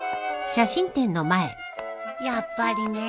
やっぱりねえ。